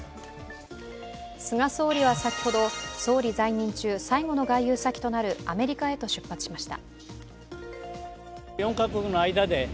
菅総理は先ほど、総理在任中最後の外遊先となるアメリカへと出発しました。